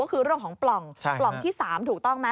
ก็คือเรื่องของปล่องปล่องที่๓ถูกต้องไหม